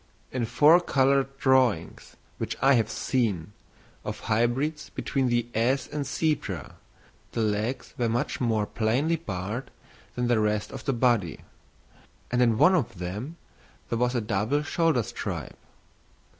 In four coloured drawings, which I have seen, of hybrids between the ass and zebra, the legs were much more plainly barred than the rest of the body; and in one of them there was a double shoulder stripe.